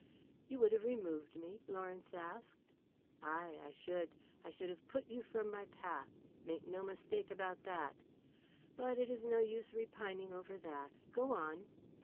"You would have removed me," Lawrence asked. "Ay, I should. I should have put you from my path. Make no mistake about that. But it is no use repining over that. Go on."